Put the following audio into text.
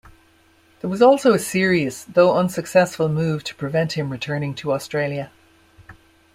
There was also a serious, though unsuccessful, move to prevent him returning to Australia.